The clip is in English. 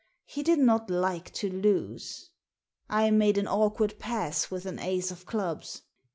He did not like to lose. I made an awkward pass with an ace of clubs.